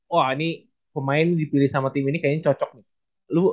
wah ini pemain dipilih sama tim ini kayaknya cocok nih